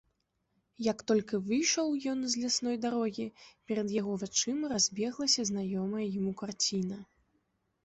Як толькі выйшаў ён з лясной дарогі, перад яго вачыма разбеглася знаёмая яму карціна.